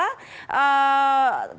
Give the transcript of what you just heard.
terhadap klien kami